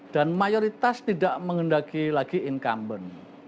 dan mayoritas tidak mengendaki lagi incumbent